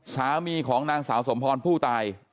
สามีของนางสาวสมพรผู้ตาย